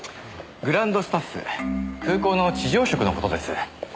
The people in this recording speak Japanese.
グランドスタッフ空港の地上職の事です。